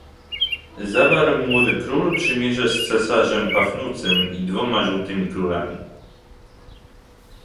"Zawarł młody król przymierze z cesarzem Pafnucym i dwoma żółtymi królami."